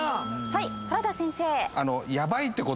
はい原田先生。